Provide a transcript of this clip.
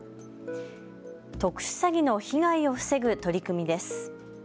特殊詐欺の被害を防ぐ取り組みです。